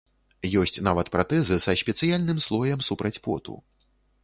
Ёсць нават пратэзы са спецыяльным слоем супраць поту.